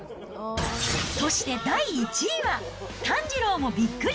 そして第１位は、炭治郎もびっくり？